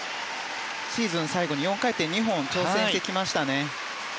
シーズン最後に４回転２本挑戦してきましたね。